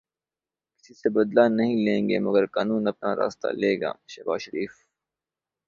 کسی سے بدلہ نہیں لیں گے مگر قانون اپنا راستہ لے گا، شہباز شریف